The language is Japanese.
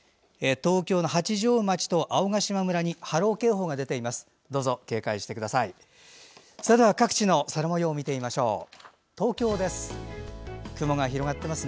東京の八丈町などに波浪警報が出ています。